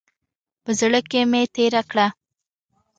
په زړه کې مې تېره کړه.